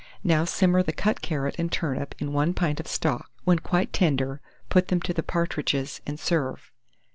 Now simmer the cut carrot and turnip in 1 pint of stock; when quite tender, put them to the partridges, and serve.